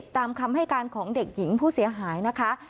ตามคำให้การของเด็กหญิงผู้เสียหายนะคะ